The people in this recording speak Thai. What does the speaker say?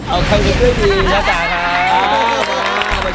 เอาใครเป็นชื่อดีชัตตาค่ะ